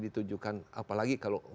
ditujukan apalagi kalau